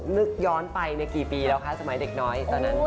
นึกย้อนไปในกี่ปีแล้วคะสมัยเด็กน้อยตอนนั้น